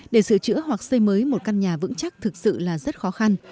để sửa chữa hoặc xây mới một căn nhà vững chắc thực sự là rất khó khăn